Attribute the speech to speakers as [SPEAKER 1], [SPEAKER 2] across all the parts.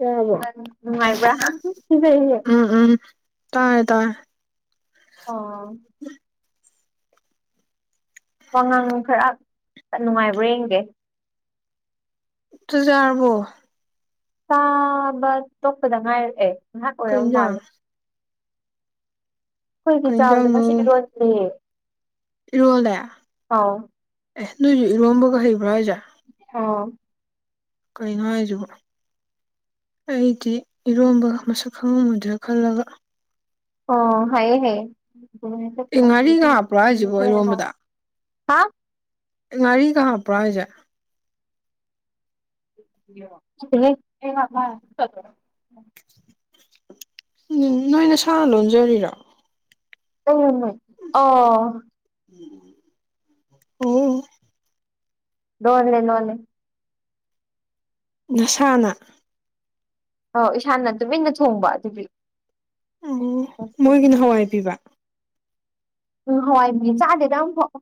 [SPEAKER 1] ꯌꯥ [unintelligible]
[SPEAKER 2] ꯅꯨꯡꯉꯥꯏꯕ꯭ꯔꯥ ꯀꯤꯖꯩꯌꯦ꯫
[SPEAKER 1] ꯎꯝ ꯎꯝ ꯇꯥꯏꯑꯦ ꯇꯥꯏꯑꯦ꯫
[SPEAKER 2] ꯑ [unintelligible] ꯋꯥꯉꯥꯡ ꯈꯔ ꯅꯨꯡꯉꯥꯏꯕ꯭ꯔꯥ ꯌꯦꯡꯒꯦ꯫
[SPEAKER 1] ꯇꯖꯔꯔꯕꯣ
[SPEAKER 2] ꯆꯥꯕ ꯇꯣꯛꯄꯗ ꯉꯥꯏꯔꯛꯑꯦ ꯉꯥꯏꯍꯥꯛ
[SPEAKER 1] ꯀꯩ
[SPEAKER 2] ꯑꯣꯏꯝ
[SPEAKER 1] ꯏꯟꯖꯥꯡ
[SPEAKER 2] ꯃꯥꯜꯂꯦ ꯑꯩꯈꯣꯏꯒꯤ
[SPEAKER 1] ꯀꯩ
[SPEAKER 2] ꯆꯗ
[SPEAKER 1] ꯏꯟꯖꯥꯡꯅꯣ
[SPEAKER 2] ꯉꯁꯤꯗꯤꯔꯣꯂ
[SPEAKER 1] ꯏꯔꯣꯜꯂꯦ ꯑꯦ ꯅꯣꯏꯁꯨ ꯏꯔꯣꯕꯒ ꯍꯩꯕ꯭ꯔꯥ ꯑꯩꯖꯥ
[SPEAKER 2] ꯑꯥꯎ
[SPEAKER 1] ꯀꯩꯅꯣ ꯍꯥꯏꯁꯨꯕꯨ ꯑꯩꯗꯤ ꯏꯔꯣꯝꯕ ꯃꯁꯛ ꯈꯪꯉꯝꯃꯣꯏꯗ꯭ꯔꯥ ꯈꯜꯂꯒ
[SPEAKER 2] ꯑꯣ ꯍꯥꯏ ꯍ
[SPEAKER 1] ꯑꯦ ꯉꯥꯔꯤꯒ ꯍꯥꯞꯄ꯭ꯔꯣ ꯍꯥꯏꯖꯤꯕꯣ ꯏꯔꯣꯝꯕꯗ ꯉꯥꯔꯤꯒ ꯍꯥꯞꯄ꯭ꯔꯥ ꯑꯩꯁꯦ
[SPEAKER 2] [inaudible]
[SPEAKER 1] ꯎꯝ ꯅꯣꯏꯅ ꯁꯥ ꯂꯣꯟꯖꯔꯤꯔꯣ
[SPEAKER 2] ꯎꯝ ꯑꯣ
[SPEAKER 1] ꯎꯝ
[SPEAKER 2] ꯂꯣꯜꯂꯦ ꯅꯣꯅꯦ
[SPEAKER 1] ꯅꯁꯥꯅ
[SPEAKER 2] ꯑꯧ ꯏꯁꯥꯅ ꯇꯨꯃꯤꯟꯅ ꯊꯣꯡꯕ ꯑꯗꯨꯒꯤ
[SPEAKER 1] ꯑꯣ ꯃꯣꯏꯒꯤꯅ ꯍꯋꯥꯏ ꯄꯤꯕ
[SPEAKER 2] ꯎꯝ ꯍꯋꯥꯏꯕꯤ ꯆꯥꯗꯦꯗ ꯑꯃꯨꯛꯐꯥꯎ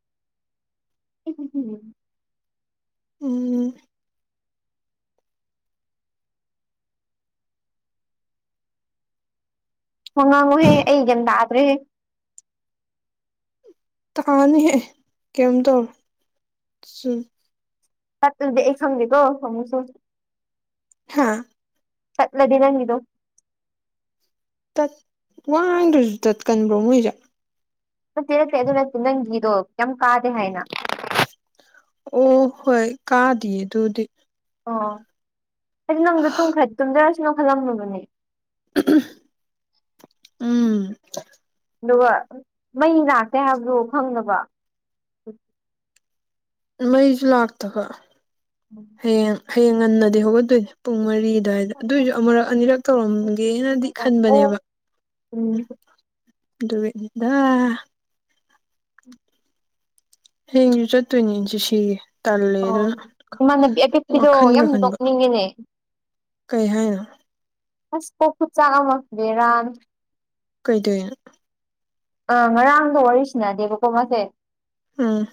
[SPEAKER 1] ꯎꯝ
[SPEAKER 2] ꯍꯣꯡ ꯉꯥꯡꯉꯨꯍꯦ ꯑꯩ ꯒ ꯇꯥꯗ꯭ꯔꯦ
[SPEAKER 1] ꯇꯀꯥꯅꯤꯍꯦꯛ ꯀꯩꯝ ꯇꯧꯔ ꯆꯨ
[SPEAKER 2] ꯇ ꯁꯝꯗꯤꯦꯀꯣꯨꯛ ꯁ
[SPEAKER 1] ꯍꯥꯥ
[SPEAKER 2] ꯆꯠꯂꯗꯪꯅꯤꯗꯨ
[SPEAKER 1] ꯇꯠ ꯋꯥꯡꯗ꯭ꯔꯁꯨ ꯇꯠꯀꯟꯕ꯭ꯔꯣ ꯃꯣꯏꯁꯦ
[SPEAKER 2] ꯅꯠꯇꯦꯔꯁꯦ ꯑꯗꯨ ꯅꯠꯇꯦ ꯅꯪꯒꯤꯗꯣ ꯀ ꯀꯥꯗꯦ ꯍꯥꯏꯅ
[SPEAKER 1] ꯑꯣ ꯍꯣꯏ ꯀꯥꯗꯌꯦ ꯑꯗꯨꯗꯤ
[SPEAKER 2] ꯑꯣ ꯍꯥꯏꯗꯤ ꯅꯪꯗꯣ ꯇꯨꯝꯊꯔꯁꯨꯅꯣ ꯈꯜꯂꯝꯂꯨꯕꯅꯦ
[SPEAKER 1] ꯎꯝ
[SPEAKER 2] ꯑꯗꯨꯒ ꯃꯩ ꯂꯥꯛꯀꯦ ꯍꯥꯏꯕꯗꯨꯣ ꯐꯪꯅꯕ
[SPEAKER 1] ꯃꯩꯁꯨ ꯂꯥꯛꯇꯒ
[SPEAKER 2] ꯎꯝ
[SPEAKER 1] ꯍꯌꯦꯡ ꯍꯌꯦꯡ ꯉꯟꯅꯗꯤ ꯍꯧꯒꯠꯇꯣꯏꯅꯦ ꯄꯨꯡ ꯃꯔꯤ ꯑꯗꯨꯋꯥꯏꯗ ꯑꯗꯨꯑꯣꯏꯁꯨ ꯑꯃꯨꯔꯛ ꯑꯅꯤꯔꯛ ꯇꯧꯔꯝꯒꯦꯅꯗꯤ
[SPEAKER 2] ꯑꯣ
[SPEAKER 1] ꯈꯟꯕꯅꯦꯕ
[SPEAKER 2] ꯎꯝ
[SPEAKER 1] ꯗꯨꯦꯟꯗ
[SPEAKER 2] [unintelligible] ꯎꯝ
[SPEAKER 1] ꯍꯦꯡ ꯆ ꯇꯨ ꯏꯁꯤꯦꯁꯤꯒꯦ ꯇꯜꯂꯦ
[SPEAKER 2] ꯑꯣ
[SPEAKER 1] ꯑꯗꯨꯅ
[SPEAKER 2] ꯏꯃꯥꯟꯅꯕꯤ ꯑꯄꯤꯛꯄꯤꯗꯣ
[SPEAKER 1] ꯋꯥꯈꯟꯒ
[SPEAKER 2] ꯌꯥꯝ
[SPEAKER 1] ꯈꯟꯕ
[SPEAKER 2] ꯅꯣꯛꯅꯤꯡꯉꯤꯅꯦ
[SPEAKER 1] ꯀꯩ ꯍꯥꯏꯅꯣ꯫
[SPEAKER 2] ꯑꯁ ꯀꯣꯛ ꯈꯨꯆꯥꯛ ꯑꯃ ꯕꯦꯔꯥꯅꯦ
[SPEAKER 1] ꯀꯩꯗꯩꯅꯣ
[SPEAKER 2] ꯑ ꯉꯔꯥꯡꯗꯣ ꯋꯥꯔꯤꯁꯤꯅꯗꯦꯕꯀꯣ ꯃꯥꯁꯦ
[SPEAKER 1] ꯑꯥ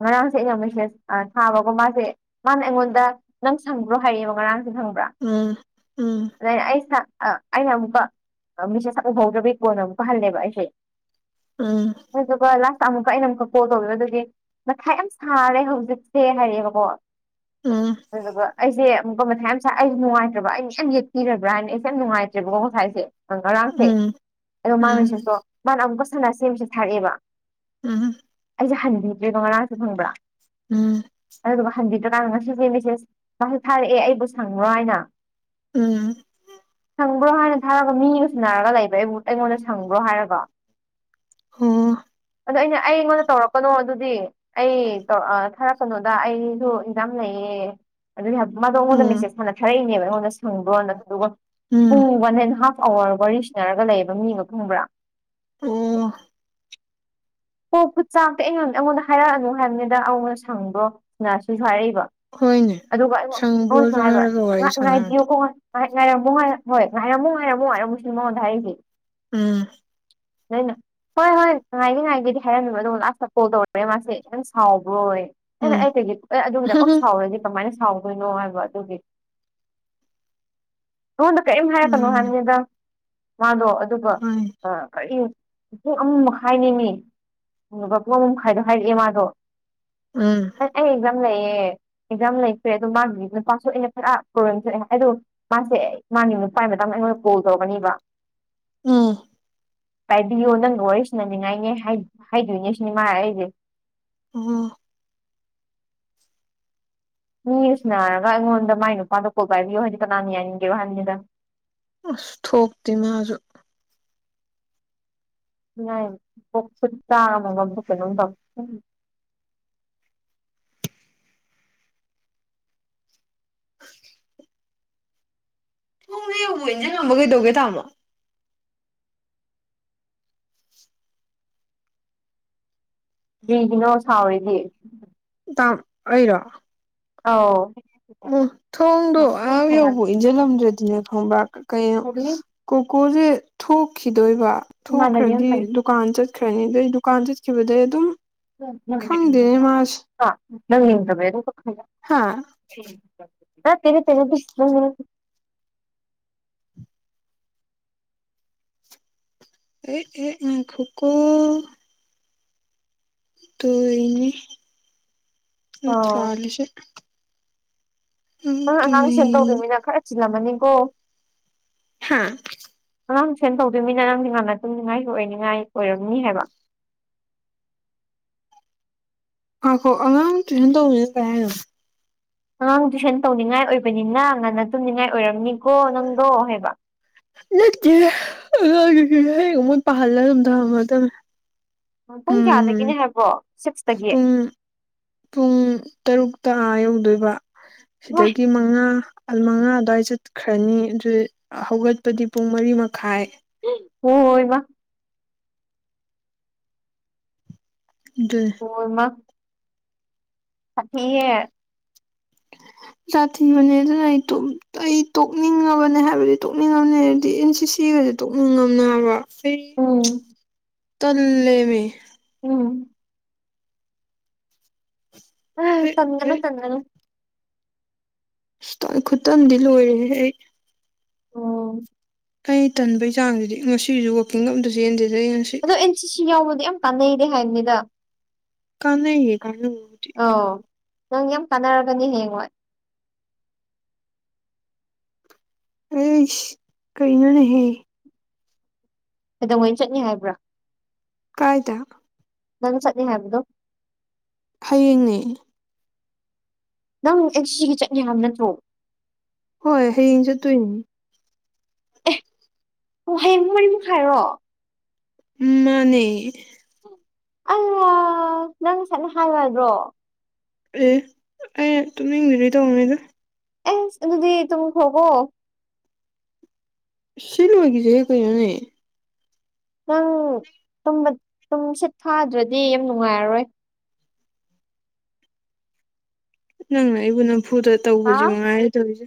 [SPEAKER 2] ꯉꯔꯥꯡꯁꯦ ꯑꯩꯅ ꯃꯦꯁꯦꯁ ꯊꯥꯕꯒꯨꯝ ꯃꯥꯁꯦ ꯃꯥꯅ ꯑꯩꯉꯣꯟꯗ ꯅꯪ ꯁꯪꯕ꯭ꯔꯣ ꯍꯥꯏꯔꯕ ꯉꯔꯥꯡ ꯃꯤꯈꯪꯕ꯭ꯔꯥ
[SPEAKER 1] ꯎꯝ ꯎꯝ
[SPEAKER 2] ꯑꯗꯨꯅ ꯑꯩ ꯁꯦ ꯑ ꯑꯩꯅ ꯑꯃꯨꯛꯀ ꯃꯤꯁꯦꯁ ꯊꯛ ꯎꯍꯧꯗ꯭ꯔꯕꯒꯤ ꯀꯣꯟꯅ ꯑꯃꯨꯛꯀ ꯍꯜꯂꯦꯕ ꯑꯩꯁꯦ
[SPEAKER 1] ꯎꯝ
[SPEAKER 2] ꯑꯗꯨꯒ ꯂꯥꯁꯇ ꯑꯃꯨꯛꯀ ꯑꯩꯅ ꯑꯃꯨꯛ ꯀꯣꯜ ꯇꯧꯋꯦ ꯑꯗꯨꯗꯤ ꯅꯁꯥꯏ ꯌꯥꯝ ꯁꯥꯔꯦ ꯍꯧꯖꯤꯛꯁꯦ ꯍꯥꯏꯔꯛꯑꯦꯕꯀꯣ
[SPEAKER 1] ꯎꯝ
[SPEAKER 2] [unintelligible] ꯑꯗꯨꯒ ꯑꯩꯁꯦ ꯑꯃꯨꯛꯀ ꯃꯊꯥꯏ ꯉꯁꯥꯏ ꯑꯩꯁꯨ ꯅꯨꯡꯉꯥꯏꯇ꯭ꯔꯕ ꯑꯩꯅ ꯌꯥꯝ ꯌꯦꯛꯄꯤ꯭ꯔꯥꯅ ꯑꯩꯁꯦ ꯌꯥꯝ ꯅꯨꯡꯉꯥꯏꯇ꯭ꯔꯦꯕꯀꯣ ꯉꯁꯥꯏꯁꯦ ꯑꯪ ꯉꯔꯥꯡꯁꯦ
[SPEAKER 1] ꯎꯝ
[SPEAKER 2] ꯑꯗꯣ ꯃꯥ
[SPEAKER 1] ꯎꯝ
[SPEAKER 2] ꯃꯦꯁꯦꯁꯇꯣ ꯃꯥꯅ ꯑꯃꯨꯛꯀ ꯁꯅꯥꯁꯦ ꯃꯦꯁꯦꯁ ꯊꯥꯔꯛꯑꯦꯕ
[SPEAKER 1] ꯎꯝ
[SPEAKER 2] ꯑꯩꯁꯦ ꯍꯟꯕꯤꯗ꯭ꯔꯦꯕꯥ ꯉꯔꯥꯡꯁꯦ ꯈꯪꯕ꯭ꯔꯥ
[SPEAKER 1] ꯎꯝ
[SPEAKER 2] ꯑꯗꯨꯗꯨꯒꯥ ꯍꯟꯕꯤꯗ꯭ꯔꯀꯥꯟꯗ ꯉꯁꯤꯁꯦ ꯃꯦꯁꯦꯁ [unintelligible] ꯊꯥꯔꯛꯑꯦ ꯑꯩꯕꯨ ꯁꯪꯕ꯭ꯔꯣ ꯍꯥꯏꯅ
[SPEAKER 1] ꯎꯝ꯫
[SPEAKER 2] ꯁꯪꯕ꯭ꯔꯣ ꯍꯥꯏꯅ ꯊꯥꯔꯒ ꯃꯤꯒ ꯁꯟꯅꯔꯒ ꯂꯩꯕ ꯑꯩꯕꯨ ꯑꯩꯉꯣꯟꯗ ꯁꯪꯕ꯭ꯔꯣ ꯍꯥꯏꯔꯒ
[SPEAKER 1] ꯍꯣ
[SPEAKER 2] ꯑꯗꯣ ꯑꯩꯅ ꯑꯩꯉꯣꯟꯗ ꯇꯧꯔꯛꯀꯥꯅꯣ ꯑꯗꯨꯗꯤ ꯑꯩ ꯇꯧꯔꯛ ꯑꯥ ꯊꯥꯔꯛꯀꯅꯣꯗ ꯑꯩꯁꯨ ꯑꯦꯛꯖꯥꯝ ꯂꯩꯌꯦ ꯑꯗꯨꯗꯤꯍꯥꯏꯕ ꯃꯥꯗꯣ ꯑꯩꯉꯣꯟꯗ
[SPEAKER 1] ꯎꯝ
[SPEAKER 2] ꯃꯦꯁꯦꯖ ꯍꯥꯟꯅ ꯊꯥꯔꯛꯏꯅꯦꯕ ꯑꯩꯉꯣꯟꯗ ꯐꯪꯕ꯭ꯔꯣꯅ ꯑꯗꯨꯒ
[SPEAKER 1] ꯎꯝ
[SPEAKER 2] ꯄꯨꯡ ꯋꯥꯟ ꯑꯦꯟ ꯍꯥꯐ ꯑꯋꯥꯔ ꯋꯥꯔꯤ ꯁꯤꯟꯅꯔꯒ ꯂꯩꯌꯦꯕ ꯃꯤꯒ ꯈꯪꯕ꯭ꯔꯥ
[SPEAKER 1] ꯎꯝ
[SPEAKER 2] ꯄꯣꯛꯄ ꯆꯥꯛꯇꯤ ꯑꯩꯉꯣꯟ ꯑꯩꯉꯣꯟꯗ ꯍꯥꯏꯔꯛꯑꯅꯨ ꯍꯥꯏꯕꯅꯤꯗ ꯑꯉꯣꯟꯅ ꯁꯪꯕ꯭ꯔꯣꯅ ꯁꯤꯁꯨ ꯍꯥꯏꯔꯛꯏꯕ
[SPEAKER 1] ꯍꯣꯏꯅꯦ
[SPEAKER 2] ꯑꯗꯨꯒ ꯑꯩꯉ ꯑꯩꯉꯣꯟ
[SPEAKER 1] ꯁꯪꯕ꯭ꯔꯣꯁꯨ
[SPEAKER 2] ꯁꯨꯃꯥꯏ ꯍꯥꯏꯕ
[SPEAKER 1] ꯍꯥꯏꯔꯒ ꯋꯥꯔꯤ
[SPEAKER 2] ꯉꯍꯥꯛ
[SPEAKER 1] ꯁꯥꯟꯅꯔꯗꯤ
[SPEAKER 2] ꯅꯨꯡꯉꯥꯏꯕꯤꯌꯨꯀꯣ ꯍꯣꯏ ꯉꯥꯏꯔꯝꯃꯣ ꯉꯥꯏꯔ ꯍꯣꯏ ꯉꯥꯏꯔꯝꯃꯣ ꯉꯥꯏꯔꯝꯃꯣ ꯉꯏꯔꯝꯃꯣ ꯁꯤ ꯃꯉꯣꯟꯗ ꯍꯥꯏꯔꯤꯁꯤ
[SPEAKER 1] ꯎꯝ
[SPEAKER 2] ꯑꯩꯅ ꯍꯣꯏ ꯍꯣꯏ ꯉꯥꯏꯒꯦ ꯉꯥꯏꯒꯦꯗꯤ ꯍꯥꯏꯔꯝꯃꯦꯕ ꯑꯗꯨꯒ ꯂꯥꯁꯇ ꯀꯣꯜ ꯇꯧꯔꯛꯑꯦ ꯃꯥꯁꯦ ꯅꯪ ꯁꯥꯎꯕ꯭ꯔꯣꯌꯦ ꯑꯩꯅ
[SPEAKER 1] ꯎꯝ
[SPEAKER 2] ꯑꯩ ꯀꯩꯒꯤ ꯑꯦ ꯑꯗꯨꯒꯤꯗꯀꯛ ꯁꯥꯎꯔꯗꯤ ꯀꯃꯥꯏꯅ ꯁꯥꯎꯗꯣꯏꯅꯣ ꯍꯥꯏꯕ ꯑꯗꯨꯒꯤ ꯅꯉꯣꯟꯗ ꯀꯔꯤꯝ ꯍꯥꯏꯔꯛꯀꯅꯣ
[SPEAKER 1] ꯎꯝ
[SPEAKER 2] ꯍꯥꯏꯕꯅꯦꯗ ꯃꯥꯗꯣ ꯑꯗꯨꯒ
[SPEAKER 1] ꯍꯣꯏ
[SPEAKER 2] ꯑ ꯀꯔꯤ ꯄꯨꯡ ꯑꯃ ꯃꯈꯥꯏꯅꯦꯃꯤ [unintelligible] ꯍꯥꯏꯔꯛꯑꯦ ꯃꯥꯗꯣ
[SPEAKER 1] ꯎꯝ
[SPEAKER 2] ꯑꯩ ꯑꯦꯛꯖꯥꯝ ꯂꯩꯌꯦ ꯑꯦꯛꯖꯥꯝ ꯂꯩꯇ꯭ꯔꯦ ꯑꯗꯣ ꯃꯥꯒꯤ ꯅꯨꯄꯥꯁꯨ ꯑꯩꯅ ꯈꯔ ꯄ꯭ꯔꯣꯕ꯭ꯂꯦꯝ ꯊꯣꯛꯑꯦ ꯍꯥꯏꯗꯣ ꯃꯥꯁꯦ ꯃꯥꯒꯤ ꯅꯨꯄꯥꯥꯏ ꯃꯇꯥꯡ ꯑꯩꯉꯣꯟꯗ ꯀꯣꯜ ꯇꯧꯔꯛꯀꯅꯤꯕ
[SPEAKER 1] ꯎꯝ
[SPEAKER 2] ꯇꯥꯏꯕꯤꯌꯣ ꯅꯪꯒ ꯋꯥꯔꯤ ꯁꯅꯥꯅꯤꯡꯉꯥꯏꯅꯦ ꯍꯥꯏ ꯍꯥꯏꯗꯣꯏꯅꯦ ꯁꯤꯅꯤ ꯃꯥ ꯍꯥꯏꯁꯦ
[SPEAKER 1] ꯎꯝ
[SPEAKER 2] ꯃꯤꯒ ꯁꯟꯅꯥꯔꯒ ꯑꯩꯉꯣꯟꯗ ꯃꯥꯏ ꯅꯨꯄꯥꯗꯣ ꯀꯣꯜ ꯄꯥꯏꯕꯤꯌꯨ ꯍꯥꯏꯗꯤ ꯀꯅꯥꯅ ꯌꯥꯅꯤꯡꯒꯦꯔꯣ ꯍꯥꯏꯕꯅꯦꯗ
[SPEAKER 1] ꯑꯁ ꯊꯣꯛꯇꯤꯃꯥꯖꯨ
[SPEAKER 2] ꯅ ꯈꯨꯠꯇ [unintelligible]
[SPEAKER 1] ꯊꯣꯡꯗꯣ ꯌꯧꯕꯧ ꯏꯟꯁꯤꯜꯂꯝꯕ ꯀꯩꯗꯧꯒꯦ ꯇꯥꯃꯣ
[SPEAKER 2] ꯀꯔꯤꯒꯤꯅꯣ ꯁꯥꯎꯔꯤꯗꯤ
[SPEAKER 1] ꯇꯥꯝ ꯑꯩꯔꯣ
[SPEAKER 2] ꯑꯥꯎ꯫
[SPEAKER 1] ꯑꯣ ꯊꯣꯡꯗꯣ ꯑꯥ ꯌꯧꯕꯧ ꯏꯟꯁꯤꯜꯂꯝꯗ꯭ꯔꯗꯤꯅꯦ ꯈꯪꯕ꯭ꯔ ꯀꯩꯅꯣ [unintelligible] ꯀꯣꯀꯣꯁꯦ ꯊꯣꯛꯈꯤꯗꯣꯏꯕ
[SPEAKER 2] ꯏꯃꯥꯟꯅꯕꯤ
[SPEAKER 1] ꯊꯣꯛꯈ꯭ꯔꯗꯤ
[SPEAKER 2] ꯑꯃꯅꯤ
[SPEAKER 1] ꯗꯨ ꯀꯥꯟ ꯆꯠꯈ꯭ꯔꯅꯤ ꯑꯗꯨꯗꯩ ꯗꯨꯀꯥꯟ ꯆꯠꯈꯤꯕꯗꯩ ꯑꯗꯨꯝ ꯈꯪꯗꯦꯅꯦ ꯃꯥꯁꯦ
[SPEAKER 2] ꯑ ꯅꯪ ꯌꯦꯡꯗꯕꯩꯔꯥ [unintelligible]
[SPEAKER 1] ꯍꯥꯥ
[SPEAKER 2] ꯅꯠꯇꯦ ꯅꯠꯇꯦ [unintelligible]
[SPEAKER 1] ꯑꯦ ꯑꯦ ꯉꯥꯏꯈꯣꯀꯣ ꯇꯨ ꯏꯅꯤ
[SPEAKER 2] ꯑꯣ
[SPEAKER 1] [unintelligible]
[SPEAKER 2] ꯅꯪ ꯑꯉꯥꯡ ꯇꯨꯏꯁꯦꯟ
[SPEAKER 1] ꯇꯣꯏ
[SPEAKER 2] ꯇꯧꯗꯣꯏꯃꯤꯅ ꯈꯔ ꯆꯤꯜꯂꯝꯃꯅꯤꯀꯣ
[SPEAKER 1] ꯍꯥ
[SPEAKER 2] ꯑꯉꯥꯡꯁꯦꯟ ꯇꯨꯏꯁꯟ ꯇꯧꯗꯣꯏꯃꯤꯅ ꯅꯪꯗꯤ ꯉꯟꯅ ꯇꯨꯝꯅꯤꯡꯉꯥꯏ ꯑꯣꯏꯔꯅꯤꯡꯉꯥꯏ ꯑꯣꯏꯔꯝꯅꯤ ꯍꯥꯏꯕ
[SPEAKER 1] ꯉꯥꯈꯣ ꯑꯉꯥꯡ ꯇꯨꯏꯁꯟ ꯇꯧꯕ [unintelligible] ꯀꯩ ꯍꯥꯏꯅꯣ
[SPEAKER 2] ꯑꯉꯥꯡ ꯇꯨꯏꯁꯟ ꯇꯧꯅꯤꯡꯉꯥꯏ ꯑꯣꯏꯕꯅꯤꯅ ꯉꯟꯅ ꯇꯨꯝꯅꯤꯡꯉꯥꯏ ꯑꯣꯏꯔꯝꯅꯤꯀꯣ ꯅꯪꯗꯣ ꯍꯥꯏꯕ
[SPEAKER 1] ꯅꯠꯇꯤꯌꯦ [unintelligible] ꯍꯌꯦꯡ ꯑꯃꯣꯏ ꯄꯥꯍꯜꯂ ꯑꯗꯨꯝ ꯊꯝꯃꯗꯕꯅꯦ꯫
[SPEAKER 2] ꯎꯝ ꯄꯨꯡ ꯀꯌꯥꯗꯒꯤꯅꯦ ꯍꯥꯏꯕ꯭ꯔꯣ ꯁꯤꯛꯁꯇꯒꯤ
[SPEAKER 1] ꯄꯨꯡ ꯄꯨꯡ ꯇꯔꯨꯛꯇ ꯑꯥ ꯌꯧꯗꯣꯏꯕ
[SPEAKER 2] ꯏꯃꯥꯏ
[SPEAKER 1] ꯁꯤꯗꯒꯤ ꯃꯥ ꯃꯉꯥ ꯑꯥꯜꯃꯉꯥ ꯑꯗꯨ꯭ꯋꯥꯏ ꯆꯠꯈ꯭ꯔꯅꯤ ꯑꯗꯨ ꯍꯧꯒꯠꯄꯗꯤ ꯄꯨꯡ ꯃꯔꯤ ꯃꯈꯥꯏ
[SPEAKER 2] ꯍ ꯍꯣꯏ ꯃꯥ
[SPEAKER 1] ꯗꯨꯟ
[SPEAKER 2] ꯑꯣꯏꯃ ꯄꯥꯛꯊꯤꯌꯦ
[SPEAKER 1] [inaudible] ꯇꯥꯊꯤꯕꯅꯦ ꯑꯗꯨꯅ ꯑꯩ ꯇꯨꯝ ꯇꯣ ꯑꯩ ꯇꯣꯛꯅꯤꯡꯉꯕꯅꯦ ꯍꯥꯏꯕꯅꯦ ꯇꯣꯛꯅꯤꯡꯉꯕꯅꯦ ꯍꯥꯏꯗꯤ ꯑꯦꯟ ꯁꯤ ꯁꯤ ꯒꯁꯦ ꯇꯣꯛꯅꯤꯡꯉꯝꯅꯦꯕꯥ ꯑꯩ
[SPEAKER 2] ꯎꯝ
[SPEAKER 1] [unintelligible] ꯇꯜꯂꯦꯃꯦ
[SPEAKER 2] ꯎꯝ ꯑ
[SPEAKER 1] ꯍꯦꯛ
[SPEAKER 2] ꯇꯟꯒꯅꯨ
[SPEAKER 1] ꯍꯦꯛ
[SPEAKER 2] ꯇꯟꯒꯅꯨ
[SPEAKER 1] ꯑꯁꯇꯟ ꯈꯨꯇꯟꯗꯤ ꯂꯣꯏꯔꯦꯍꯦ ꯑꯩ
[SPEAKER 2] ꯑꯣ
[SPEAKER 1] ꯑꯩ ꯇꯟꯕꯩ ꯆꯥꯡꯁꯤꯗꯤ ꯉꯁꯤꯁꯨ ꯋꯥꯀꯤꯡ ꯒ ꯑꯝꯇꯥ ꯆꯦꯟꯗꯦꯗ ꯑꯩ ꯉꯁꯤ
[SPEAKER 2] ꯑꯗꯣ ꯑꯦꯟ ꯁꯤ ꯁꯤ ꯌꯥꯎꯕꯗꯤ ꯌꯥꯝ ꯀꯥꯟꯅꯩꯔꯦ ꯍꯥꯏꯕꯅꯤꯗ
[SPEAKER 1] ꯀꯥꯟꯅꯩꯌꯦ ꯀꯥꯟꯅꯕꯕꯨꯗꯤ
[SPEAKER 2] ꯑꯣ ꯅꯪ ꯌꯥꯝ ꯀꯥꯟꯅꯔꯒꯅꯤ ꯍꯌꯦꯡ ꯍꯣꯏ
[SPEAKER 1] ꯑꯩꯁ ꯀꯩꯅꯣꯅꯦꯍꯦ
[SPEAKER 2] ꯀꯩꯗꯧꯉꯩ ꯆꯠꯅꯤ ꯍꯥꯏꯕ꯭ꯔꯥ
[SPEAKER 1] ꯀꯥꯏꯗ
[SPEAKER 2] ꯅꯪ ꯆꯠꯅꯤ ꯍꯥꯏꯕꯗꯣ
[SPEAKER 1] ꯍꯌꯦꯡꯅꯦ
[SPEAKER 2] ꯅꯪ ꯑꯦꯟ ꯁꯤ ꯁꯤꯒꯤ ꯆꯠꯅꯤ ꯍꯥꯏꯕ ꯅꯠꯇ꯭ꯔꯣ
[SPEAKER 1] ꯍꯣꯏ ꯍꯌꯦꯡ ꯆꯠꯇꯨꯏꯅꯤ
[SPEAKER 2] ꯑꯣ ꯍꯌꯦꯡꯃꯨ ꯃꯔꯤꯃꯨꯛꯈꯥꯏꯔꯣ
[SPEAKER 1] ꯎꯝꯃꯥꯅꯦ
[SPEAKER 2] ꯑ ꯅꯪ ꯁꯥꯏꯅ ꯍꯥꯏꯌꯨꯌꯥꯗ꯭ꯔꯣ
[SPEAKER 1] ꯑꯦ ꯑꯩ ꯇꯨꯝꯅꯤꯡꯕꯤꯗꯨꯢ ꯇꯧꯕꯅꯤꯗ
[SPEAKER 2] ꯑꯦꯁ ꯑꯗꯨꯗꯤ ꯇꯨꯝꯈꯔꯣꯀꯣ
[SPEAKER 1] ꯁꯤ ꯂꯣꯢꯒꯤꯁꯤꯍꯦ ꯀꯩꯅꯣꯅꯦ
[SPEAKER 2] ꯅꯪ ꯇꯨꯝꯕ ꯇꯨꯝꯁꯤꯠ ꯐꯥꯗ꯭ꯔꯗꯤ ꯌꯥꯝ ꯅꯨꯡꯉꯥꯏꯔꯔꯣꯏ
[SPEAKER 1] ꯅꯪꯅ ꯑꯩꯕꯨ ꯅꯝꯐꯨꯗ
[SPEAKER 2] ꯍꯥ
[SPEAKER 1] ꯇꯧꯕꯁꯤ ꯃꯥꯉꯥꯏꯔꯦ ꯇꯧꯔꯤꯁꯦ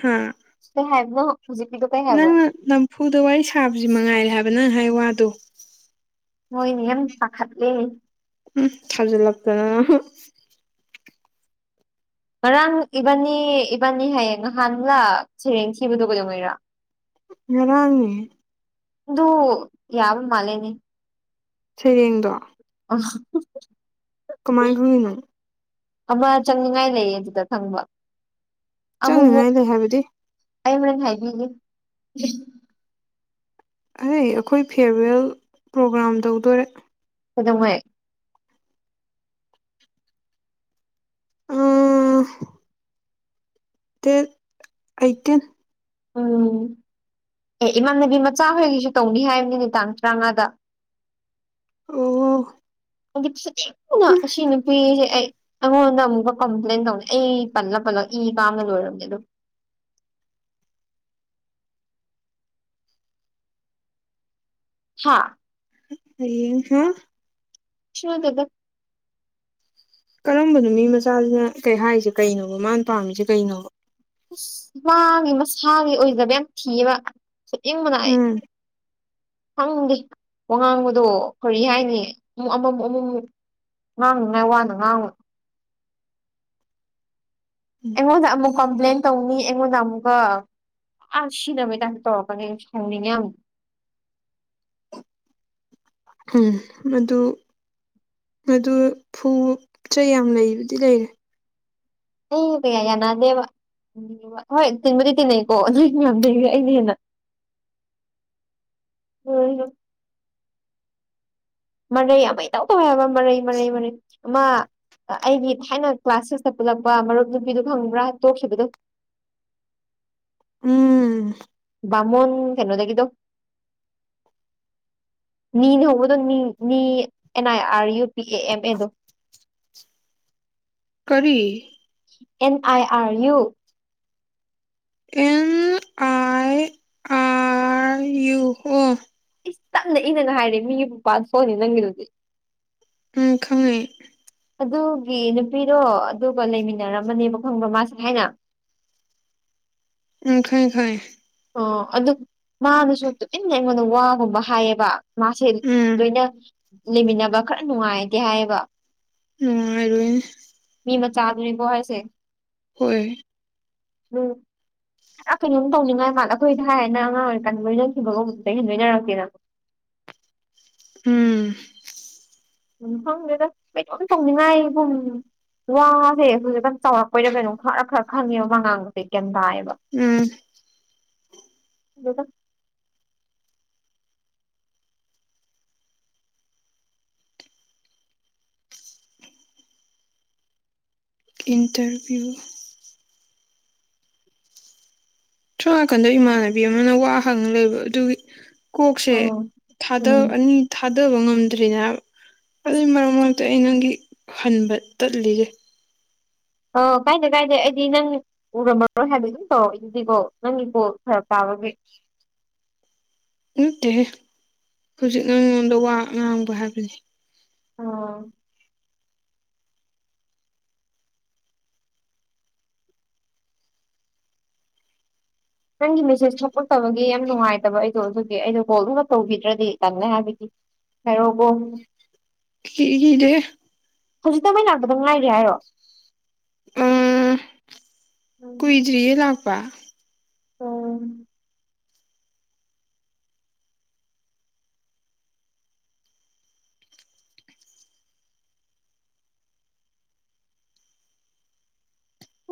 [SPEAKER 1] ꯍꯥꯝ
[SPEAKER 2] ꯀꯩꯍꯥꯏꯕꯅꯣ ꯍꯧꯖꯤꯛꯀꯤꯗꯨ ꯀꯩ ꯍꯥꯏꯕ꯭ꯔ
[SPEAKER 1] ꯅꯝꯐꯨꯗ ꯋꯥꯔꯤ ꯁꯥꯕꯁꯤ ꯃꯉꯥꯏꯔꯦ ꯍꯥꯏꯕ ꯅꯪ ꯍꯥꯏ ꯋꯥꯗꯣ
[SPEAKER 2] ꯃꯣꯏ ꯃꯌꯥꯝ ꯄꯥꯈꯠꯂꯦ
[SPEAKER 1] ꯎꯝ ꯊꯥꯖꯜ ꯂꯛꯇꯅꯪ [unintelligible]
[SPEAKER 2] ꯉꯔꯥꯡ ꯏꯕꯥꯅꯤ ꯏꯕꯥꯅꯤ ꯍꯥꯢꯌꯦ ꯉꯍꯥꯟꯂ ꯁꯩꯔꯦꯡ ꯊꯤꯕꯗꯣ ꯀꯩꯗꯧꯉꯩꯔꯥ
[SPEAKER 1] ꯉꯔꯥꯡꯅꯦ
[SPEAKER 2] ꯗꯨ ꯌꯥꯕ ꯃꯥꯜꯂꯦꯅꯦ
[SPEAKER 1] ꯁꯩꯔꯦꯡꯗꯣ
[SPEAKER 2] ꯑ [unintelligible]
[SPEAKER 1] ꯀꯃꯥꯏ ꯈꯪꯢꯅꯣ
[SPEAKER 2] ꯑꯃ ꯆꯪꯅꯤꯡꯉꯥꯏ ꯂꯩ ꯑꯗꯨꯗ ꯈꯪꯕ ꯑꯃꯨꯛꯃꯨꯛ
[SPEAKER 1] ꯆꯪꯅꯤꯉꯥꯏ ꯂꯩ ꯍꯥꯏꯕꯗꯤ
[SPEAKER 2] ꯑꯩ ꯍꯨꯔꯦꯟ ꯍꯥꯏꯕꯤꯒꯦ
[SPEAKER 1] ꯑꯩ ꯑꯩꯈꯣꯏ ꯐꯤꯔꯋꯦꯜ ꯄ꯭ꯔꯣꯒ꯭ꯔꯥꯝ ꯇꯧꯗꯣꯔꯦ
[SPEAKER 2] ꯀꯩꯗꯧꯉꯩ
[SPEAKER 1] ꯎꯝ ꯗꯦꯠ ꯑꯦꯠꯇꯤꯟ
[SPEAKER 2] ꯎꯝ ꯑꯦ ꯏꯃꯥꯟꯅꯕꯤ ꯃꯆꯥ ꯍꯣꯏꯒꯤꯁꯨ ꯇꯧꯅꯤ ꯍꯥꯏꯕꯅꯤ ꯅꯨ ꯇꯥꯡ ꯇꯔꯥꯃꯉꯥꯗ
[SPEAKER 1] ꯑꯣ
[SPEAKER 2] ꯑꯩꯗꯤ ꯐꯨꯅꯤꯡꯕꯅ ꯑꯁꯤ ꯅꯨꯄꯤꯁꯦ ꯑꯩ ꯑꯩꯉꯣꯟꯗ ꯑꯃꯨꯛꯀ ꯀꯝꯄ꯭ꯂꯦꯟ ꯇꯧꯅꯤ ꯑꯩ ꯄꯜꯂ ꯄꯜꯂꯒ ꯏ ꯀꯥꯕꯅ ꯂꯣꯏꯔꯕꯅꯦ ꯑꯗꯨ ꯍꯥ
[SPEAKER 1] ꯍꯌꯦꯡ ꯍꯥ
[SPEAKER 2] ꯁꯨꯅꯠꯇꯦꯗ
[SPEAKER 1] ꯀꯔꯝꯕꯅꯣ ꯃꯤ ꯃꯆꯥꯁꯤꯅ ꯀꯩ ꯍꯥꯏꯔꯤꯁꯦ ꯀꯩꯅꯣꯕ ꯃꯥꯅ ꯄꯥꯝꯃꯤꯁꯦ ꯀꯩꯅꯣꯕ
[SPEAKER 2] ꯑꯁ ꯃꯥꯒꯤ ꯃꯁꯥꯒꯤ ꯑꯣꯏꯖꯕ ꯌꯥꯝ ꯊꯤꯌꯦꯕ ꯐꯨꯅꯤꯡꯕꯅ ꯑꯩ
[SPEAKER 1] ꯎꯝ
[SPEAKER 2] ꯈꯪꯗꯦ ꯋꯥ ꯉꯥꯡꯕꯗꯣ ꯀꯔꯤ ꯍꯥꯏꯅꯤ ꯑꯃꯨꯛ ꯑꯃꯃꯨꯛ ꯑꯃꯃꯨꯝꯛ ꯉꯥꯡꯅꯤꯉꯥꯏ ꯋꯥꯅ ꯉꯥꯡꯉ ꯑꯦ ꯀꯝꯄ꯭ꯂꯦꯟ ꯇꯧꯅꯤ ꯑꯩꯉꯣꯟꯗ ꯑꯃꯨꯛꯀ ꯑ ꯁꯤꯅꯕꯗꯥꯏ ꯇꯧꯔꯛꯀꯅꯤꯁꯨ ꯍꯪꯅꯤꯡꯉꯦ ꯑꯃꯨ
[SPEAKER 1] ꯎꯝ ꯃꯗꯨ ꯑꯗꯨ ꯐꯨ ꯆꯩ ꯌꯥꯝ ꯂꯩꯕꯗꯤ ꯂꯩꯔꯦ
[SPEAKER 2] ꯑꯩꯒ ꯀꯌꯥ ꯌꯥꯅꯗꯦꯕ ꯍꯣꯏ ꯇꯤꯟꯕꯗꯤ ꯇꯤꯟꯅꯩꯀꯣ ꯑꯗꯨꯗꯤ ꯃꯌꯥꯝꯗ ꯑꯩꯅ ꯍꯦꯟꯅ ꯍ ꯍ ꯃꯔꯩ ꯑꯃ ꯏꯇꯧ ꯇꯧꯋꯦ ꯍꯥꯏꯕ ꯃꯔꯩ ꯃꯔꯩ ꯃꯔꯩ ꯑꯃꯥ ꯑꯩꯒꯤ ꯊꯥꯏꯅ ꯀ꯭ꯂꯥꯁ ꯁꯤꯁꯇ ꯄꯨꯜꯂꯛꯄ ꯃꯔꯨꯞ ꯅꯨꯄꯤꯗꯣ ꯇꯪꯕ꯭ꯔꯥ ꯇꯣꯛꯈꯤꯕꯗꯣ
[SPEAKER 1] ꯎꯝ
[SPEAKER 2] ꯃꯨꯟ ꯀꯩꯅꯣꯗꯒꯗꯣ
[SPEAKER 1] [unintelligible] [inaudible]
[SPEAKER 2] ꯅꯤꯅ ꯍꯣꯡꯧꯕꯗꯣ ꯅꯤ N I R U P A M ꯑꯦꯗꯣ
[SPEAKER 1] ꯀꯔꯤ
[SPEAKER 2] N I R U
[SPEAKER 1] N I R U ꯑꯣ
[SPEAKER 2] ꯏꯁ ꯇꯞꯅ ꯏꯅꯅ ꯍꯥꯏꯔꯦ ꯃꯤꯒꯤ [unintelligible] ꯅꯪꯒꯤꯗꯨꯗꯤ
[SPEAKER 1] ꯎꯝ ꯈꯪꯉꯦ
[SPEAKER 2] ꯑꯗꯨꯒꯤ ꯅꯨꯄꯤꯗꯣ ꯑꯗꯨꯒ ꯂꯩꯃꯤꯟꯅꯔꯝꯃꯅꯦꯕ ꯈꯪꯕ ꯃꯥꯁꯦ ꯍꯥꯏꯅ
[SPEAKER 1] ꯎꯝ ꯈꯔ ꯈꯣꯏ
[SPEAKER 2] ꯑꯣ ꯑꯗꯨ ꯃꯥꯗꯨꯁꯨ ꯇꯨꯃꯤꯟꯅ ꯑꯩꯉꯣꯟꯗ ꯋꯥꯒꯨꯝꯕ ꯍꯥꯏꯌꯦꯕ ꯃꯥꯁꯦ
[SPEAKER 1] ꯎꯝ
[SPEAKER 2] ꯂꯣꯏꯅ ꯂꯩꯃꯤꯟꯅꯕ ꯈꯔ ꯅꯨꯡꯉꯥꯏꯗꯦ ꯍꯥꯏꯌꯦꯕ
[SPEAKER 1] ꯑꯣꯔꯣꯏ
[SPEAKER 2] ꯃꯤ ꯃꯆꯥꯗꯨꯅꯦꯀꯣ ꯍꯥꯏꯁꯦ
[SPEAKER 1] ꯍꯣꯏ
[SPEAKER 2] ꯎꯝ [unintelligible] ꯑ ꯀꯩꯅꯣꯝ ꯇꯧꯅꯤꯡꯉꯥꯏ ꯃꯥꯢ ꯑꯈꯣꯏꯗꯤ ꯍꯥꯏ ꯍꯥꯢꯅ ꯑꯉꯥꯡ ꯑꯣꯏꯔꯤ ꯀꯥꯟ ꯂꯣꯏꯅꯈꯤꯕꯒꯨꯝ ꯑꯗꯨꯗꯩ ꯍꯦꯟꯅ ꯂꯣꯏꯅꯔꯛꯇꯦꯅ
[SPEAKER 1] ꯎꯝ
[SPEAKER 2] ꯎꯝ ꯈꯪꯗꯦꯗ ꯀꯩꯅꯣꯝ ꯇꯧꯅꯤꯡꯉꯥꯏꯒꯨꯝ ꯋꯥꯁꯦ ꯍꯧꯖꯤꯛꯀꯥꯟ ꯆꯥꯎꯔꯛꯄꯩꯔ ꯀꯩꯅꯣ ꯈꯔ ꯈꯔ ꯈꯪꯉꯦꯕ ꯃꯥ ꯉꯥꯡꯕꯁꯦ ꯒ꯭ꯌꯥꯟ ꯇꯥꯢꯌꯦꯕ
[SPEAKER 1] ꯎꯝ
[SPEAKER 2] ꯌꯦꯗ
[SPEAKER 1] ꯏꯟꯇꯔꯚ꯭ꯌꯨ ꯊꯣ ꯅꯥꯀꯟꯗ ꯏꯃꯥꯟꯅꯕꯤ ꯑꯃꯅ ꯋꯥ ꯍꯥꯡꯉ ꯂꯩꯕ ꯑꯗꯨꯒꯤ ꯀꯣꯛꯁꯦ
[SPEAKER 2] ꯎꯝ ꯎꯝ
[SPEAKER 1] ꯑꯅꯤ ꯊꯥꯗꯕ ꯉꯝꯗ꯭ꯔꯤꯅꯦꯕ
[SPEAKER 2] ꯑꯁ
[SPEAKER 1] ꯑꯗꯨꯏ ꯃꯔꯝ ꯑꯣꯏ ꯑ ꯑꯩ ꯅꯪꯒꯤ ꯍꯟꯕ ꯇꯠꯂꯤꯁꯦ
[SPEAKER 2] ꯑ ꯀꯥꯏꯗꯦ ꯀꯥꯏꯗꯦ ꯑꯩꯗꯤ ꯅꯪ ꯎꯔꯝꯃꯔꯣꯏ ꯍꯥꯏꯕ ꯑꯗꯨꯝ ꯇꯧꯔꯛꯏꯗꯨꯗꯤ ꯀꯣ ꯅꯪꯒꯤꯀꯣ ꯐꯔꯛ ꯇꯥꯕꯒꯤ
[SPEAKER 1] ꯅꯠꯇꯦꯍꯦ ꯍꯧꯖꯤꯛꯅꯉꯣꯟꯗ ꯋꯥ ꯉꯥꯡꯕ ꯍꯥꯏꯕꯅꯤ
[SPEAKER 2] ꯑꯣ ꯅꯪꯒꯤ ꯃꯦꯁꯦꯁ ꯊꯣꯛꯂꯛꯇꯕꯒꯤ ꯌꯥꯝ ꯅꯨꯡꯉꯥꯏꯇꯕ ꯑꯩꯗꯣ ꯑꯗꯨꯒꯤ ꯑꯩꯗꯣ ꯀꯣꯜꯗꯨꯅ ꯇꯧꯕꯤꯗ꯭ꯔꯗꯤ ꯀꯟ ꯍꯥꯏꯕꯒꯤ [unintelligible]
[SPEAKER 1] [unintelligible]
[SPEAKER 2] ꯍꯧꯖꯤꯛꯇ ꯃꯩ ꯂꯥꯛꯄꯗ ꯉꯥꯏꯔꯤ ꯍꯥꯏꯔꯣ
[SPEAKER 1] ꯎꯝ
[SPEAKER 2] ꯑꯣ
[SPEAKER 1] ꯀꯨꯏꯗ꯭ꯔꯤꯌꯦ ꯂꯥꯛꯄ
[SPEAKER 2] ꯑꯣ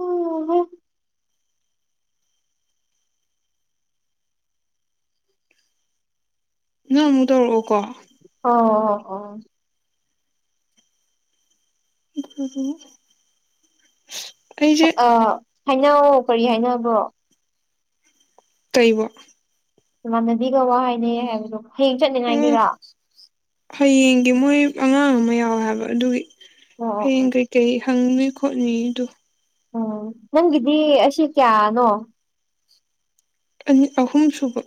[SPEAKER 2] ꯑꯣꯍꯣ
[SPEAKER 1] ꯅꯪ ꯑꯃꯨꯛ ꯇꯧꯔꯛꯑꯣꯀꯣ
[SPEAKER 2] ꯑꯣ ꯑꯣ [unintelligible]
[SPEAKER 1] ꯑꯩꯖꯦ
[SPEAKER 2] ꯍꯜꯂꯣ ꯀꯔꯤ ꯍꯥꯏꯅꯕ꯭ꯔꯣ
[SPEAKER 1] ꯀꯩꯕꯣ
[SPEAKER 2] ꯃꯥꯟꯅꯕꯤꯒ ꯋꯥ ꯍꯥꯏꯅꯩꯌꯦ ꯍꯥꯏꯕꯗꯣ ꯍꯌꯦꯡ
[SPEAKER 1] ꯑꯣ
[SPEAKER 2] ꯆꯠꯅꯤꯉꯥꯏꯒꯦꯔꯥ
[SPEAKER 1] ꯍꯌꯦꯡꯒꯤ ꯃꯣꯏ ꯑꯉꯥꯡ ꯑꯃ ꯌꯥꯎꯋꯦ ꯍꯥꯏꯕ ꯑꯗꯨꯒꯤ
[SPEAKER 2] ꯑꯣ
[SPEAKER 1] ꯍꯌꯦꯡ
[SPEAKER 2] ꯑꯣ
[SPEAKER 1] ꯀꯩꯩ ꯀꯩ ꯍꯪꯅꯤ ꯈꯣꯠꯅꯤꯗꯣ
[SPEAKER 2] ꯎꯝ ꯅꯪꯒꯤꯗꯤ ꯑꯁꯤ ꯀꯌꯥꯅꯣ
[SPEAKER 1] ꯑꯅꯤ ꯑꯍꯨꯝꯁꯨꯨꯕ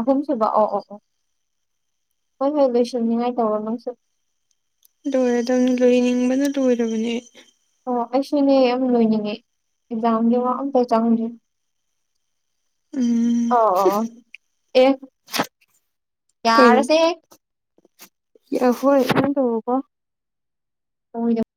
[SPEAKER 2] ꯑꯍꯨꯝꯁꯨꯕ ꯑꯣ ꯑꯣ ꯑꯣ ꯍꯣꯏ ꯍꯣꯏ ꯂꯣꯏꯁꯟꯅꯤꯡꯉꯥꯏ ꯇꯧꯔꯣ ꯅꯪꯁꯨ
[SPEAKER 1] ꯂꯣꯏꯔꯦ ꯑꯗꯨ ꯂꯣꯏꯅꯤꯡꯕꯅ ꯂꯣꯏꯔꯕꯅꯦ
[SPEAKER 2] ꯑꯣ ꯑꯩꯁꯨꯅꯦ ꯌꯥꯝ ꯂꯣꯏꯅꯤꯡꯉꯦ ꯑꯦꯛꯖꯥꯝꯒꯤ ꯋꯥ ꯑꯝꯇ ꯆꯪꯗꯦ
[SPEAKER 1] [unintelligible] [inaudible]
[SPEAKER 2] ꯑꯣ ꯑꯣ ꯑꯦ
[SPEAKER 1] ꯀꯩꯅꯣ
[SPEAKER 2] ꯌꯥꯔꯁꯦ
[SPEAKER 1] ꯍꯣꯏ ꯏꯟ ꯇꯧꯕꯀꯣ [unintelligible]
[SPEAKER 2] ꯍꯗ [unintelligible]